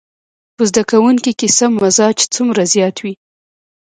په زده کوونکي کې سم مزاج څومره زيات وي.